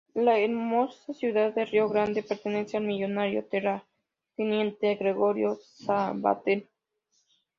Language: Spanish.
La hermosa ciudad de Río Grande pertenece al millonario terrateniente Gregorio Sabater.